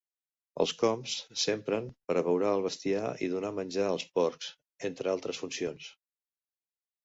Els cóms s'empren per abeurar el bestiar i donar menjar als porcs, entre altres funcions.